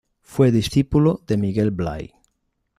Fue discípulo de Miguel Blay.